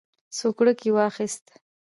سوکړک یې واخیست.